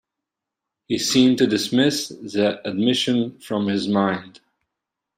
He seemed to dismiss the admission from his mind.